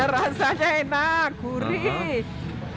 rasanya enak gurih